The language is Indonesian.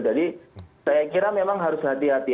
jadi saya kira memang harus hati hati